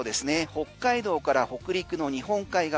北海道から北陸の日本海側。